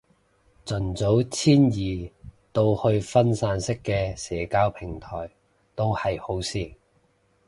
盡早遷移到去分散式嘅社交平台都係好事